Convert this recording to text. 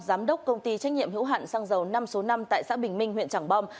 giám đốc công ty trách nhiệm hữu hạn xăng dầu năm số năm tại xã bình minh huyện trảng bom